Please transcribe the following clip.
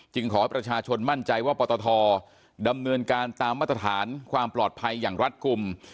ขอให้ประชาชนมั่นใจว่าปตทดำเนินการตามมาตรฐานความปลอดภัยอย่างรัฐกลุ่ม